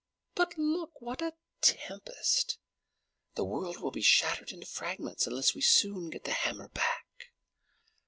But look! What a tempest! The world will be shattered into fragments unless we soon get the hammer back."